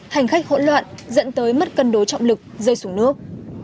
hành khách hỗn loạn dẫn tới mất cân đối trọng lực rơi xuống nước